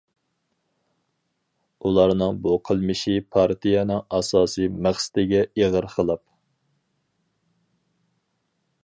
ئۇلارنىڭ بۇ قىلمىشى پارتىيەنىڭ ئاساسىي مەقسىتىگە ئېغىر خىلاپ.